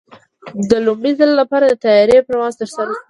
د لومړي ځل لپاره د طیارې پرواز ترسره شو.